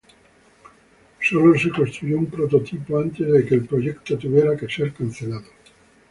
Solo se construyó un prototipo, antes de que el proyecto tuviera que ser cancelado.